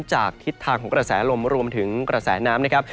จากทิศทางกระแสลมรวมถึงกระแสน้ำ